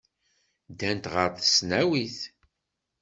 Ddant ɣer tesnawit.